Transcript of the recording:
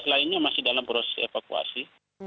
empat belas lainnya masih dalam proses evakuasi